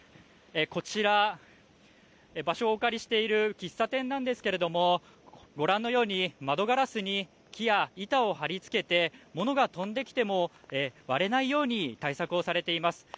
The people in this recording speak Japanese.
こちら、場所をお借りしている喫茶店なんですけれども、ご覧のように、窓ガラスに木や板を貼り付けて、物が飛んできても割れないように対策をされています。